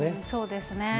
そうですね。